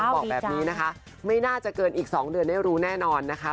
บอกแบบนี้นะคะไม่น่าจะเกินอีก๒เดือนได้รู้แน่นอนนะคะ